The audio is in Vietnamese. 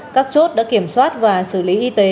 các chốt đã kiểm soát và xử lý y tế